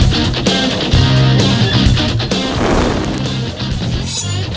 กินล้างบาง